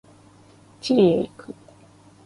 チリへ行く。